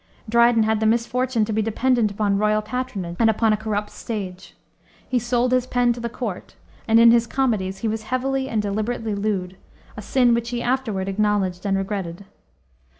Dryden had the misfortune to be dependent upon royal patronage and upon a corrupt stage. He sold his pen to the court, and in his comedies he was heavily and deliberately lewd, a sin which he afterward acknowledged and regretted.